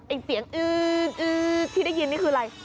เสียงอืดที่ได้ยินนี่คืออะไร